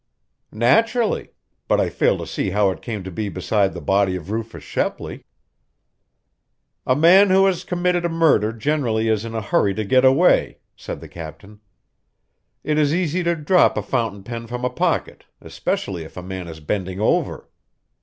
"Naturally. But I fail to see how it came to be beside the body of Rufus Shepley." "A man who has committed a murder generally is in a hurry to get away," said the captain. "It is easy to drop a fountain pen from a pocket, especially if a man is bending over."